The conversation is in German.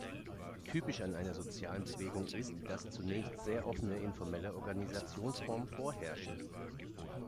Typisch an einer sozialen Bewegung ist, dass zunächst sehr offene informelle Organisationsformen vorherrschen.